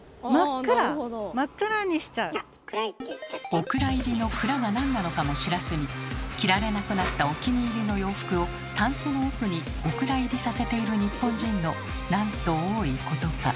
お蔵入りの「くら」がなんなのかも知らずに着られなくなったお気に入りの洋服をたんすの奥にお蔵入りさせている日本人のなんと多いことか。